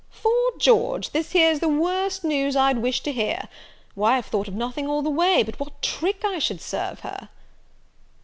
'Fore George, this here's the worst news I'd wish to hear! why I've thought of nothing all the way, but what trick I should serve her."